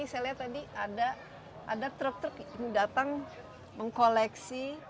saya lihat tadi ada truk truk ini datang mengkoleksi